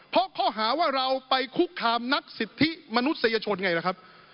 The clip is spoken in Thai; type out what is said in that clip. เพราะข้อหาว่าเราไปคุกคามนักสิทธิมนุษยชนไงล่ะครับ